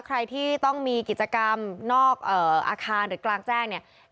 ใครที่ต้องมีกิจกรรมนอกอาคารหรือกลางแจ้งเนี่ย